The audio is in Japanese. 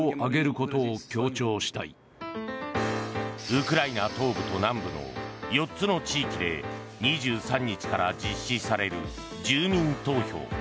ウクライナ東部と南部の４つの地域で２３日から実施される住民投票。